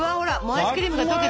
アイスクリームが溶けてる。